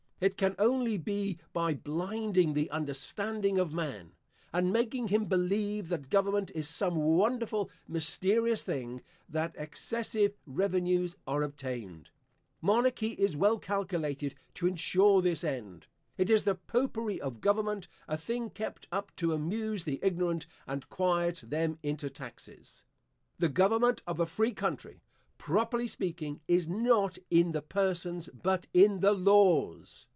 It can only be by blinding the understanding of man, and making him believe that government is some wonderful mysterious thing, that excessive revenues are obtained. Monarchy is well calculated to ensure this end. It is the popery of government; a thing kept up to amuse the ignorant, and quiet them into taxes. The government of a free country, properly speaking, is not in the persons, but in the laws.